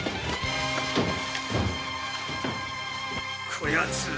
こやつ